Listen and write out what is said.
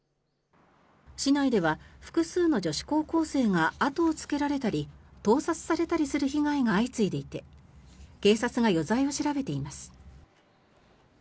市内では複数の女子高校生が後をつけられたり盗撮されたりする被害が相次いでいて警察が余罪を調べています。